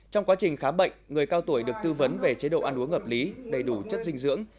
trong quá trình khám bệnh người cao tuổi được tư vấn về chế độ ăn uống hợp lý đầy đủ chất dinh dưỡng